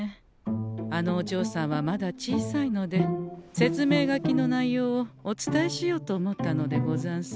あのおじょうさんはまだ小さいので説明書きの内容をお伝えしようと思ったのでござんすが。